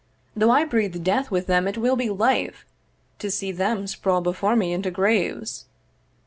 'Though I breathe death with them it will be life 'To see them sprawl before me into graves.